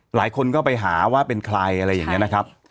หลายคนก็ไปหาว่าเป็นใครอะไรอย่างนี้นะครับ